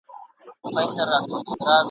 په بچو چي یې خوشاله زیږوه یې !.